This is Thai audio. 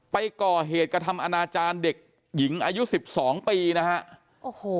ไปก่อเหตุกระทำอาณาจารย์เด็กหญิงอายุ๑๒ปีนะฮะ